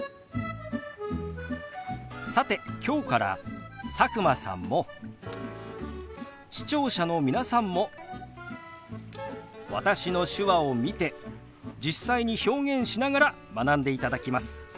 さて今日から佐久間さんも視聴者の皆さんも私の手話を見て実際に表現しながら学んでいただきます。